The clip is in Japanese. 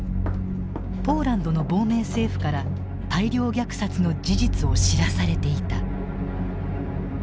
ポーランドの亡命政府から大量虐殺の事実を知らされていた。